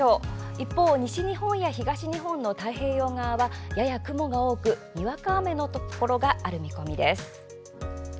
一方、西日本や東日本の太平洋側は、やや雲が多くにわか雨のところがある見込みです。